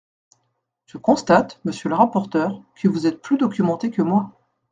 Je constate, monsieur le rapporteur, que vous êtes plus documenté que moi.